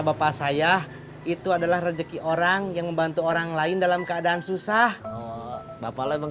bapak saya itu adalah rezeki orang yang membantu orang lain dalam keadaan susah bapak